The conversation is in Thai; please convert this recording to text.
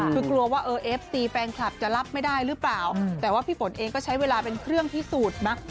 คือกลัวว่าเออเอฟซีแฟนคลับจะรับไม่ได้หรือเปล่าแต่ว่าพี่ฝนเองก็ใช้เวลาเป็นเครื่องพิสูจน์มั้ง